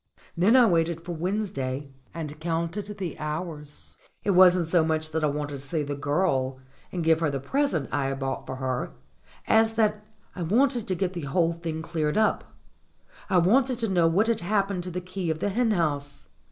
Then I waited for Wednesday, and counted the hours. It wasn't so much that I wanted to see the girl and give her the present I had bought for her, as that I THE KEY OF THE HEN HOUSE 177 wanted to get the whole thing cleared up. I wanted to know what had happened to the key of the hen house.